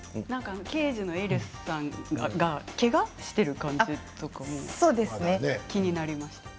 刑事のエリスさんがけがをしている感じとかも気になります。